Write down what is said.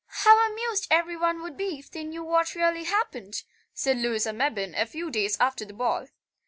"How amused every one would be if they knew what really happened," said Louisa Mebbin a few days after the ball.